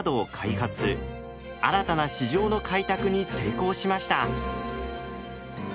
新たな市場の開拓に成功しました。